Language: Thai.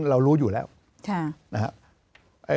เรารู้อยู่แล้วน่ะฮะ